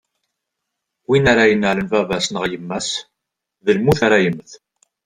Win ara ineɛlen baba-s neɣ yemma-s, d lmut ara yemmet.